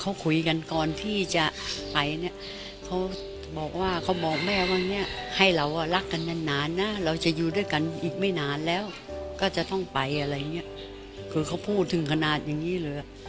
เขาคุยกันก่อนที่จะไปเนี่ยเขาบอกว่าเขาบอกแม่ว่าเนี่ยให้เราอ่ะรักกันนานนานนะเราจะอยู่ด้วยกันอีกไม่นานแล้วก็จะต้องไปอะไรอย่างเงี้ยคือเขาพูดถึงขนาดนี้เลย